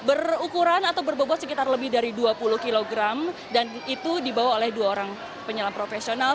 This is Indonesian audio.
berukuran atau berbobot sekitar lebih dari dua puluh kg dan itu dibawa oleh dua orang penyelam profesional